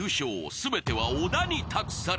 ［全ては小田に託された］